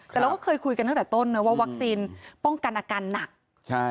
แต่เราก็เคยคุยกันตั้งแต่ต้นนะว่าวัคซีนป้องกันอาการหนักใช่